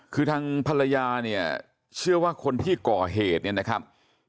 คือทางภรรยาเนี่ยเชื่อว่าคนที่ก่อเหตุเนี่ยนะครับ